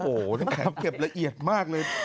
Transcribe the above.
โอ้โฮนะครับเข็บละเอียดมากเลย